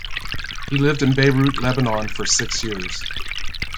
He lived in Beirut, Lebanon, for six years.